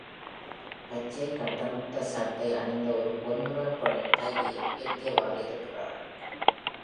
பச்சை கட்டமிட்ட சட்டை அணிந்த ஒரு பொன்நிற பெண் கையை உயர்த்தியவாறு இருக்கிறாள்.